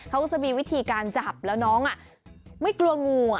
เขาก็จะมีวิธีการจับแล้วน้องไม่กลัวงู